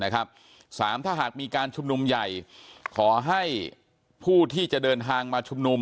สามถ้าหากมีการชุมนุมใหญ่ขอให้ผู้ที่จะเดินทางมาชุมนุม